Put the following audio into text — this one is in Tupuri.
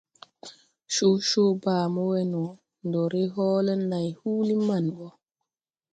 Cocoo baa mo we no, ndo re hoole nãy huulí maŋ ɓo.